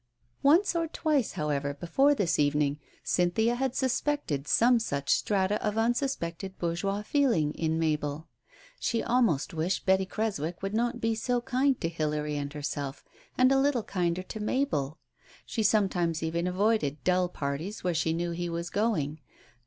Once or twice, however, before this evening, Cynthia had suspected some such strata of unsuspected bourgeois feeling in Mabel. She almost wished Betty Creswick would not be so kind to Hilary and herself, and a little: kinder to Mabel. She sometimes even avoided dulll parties where she knew he was going.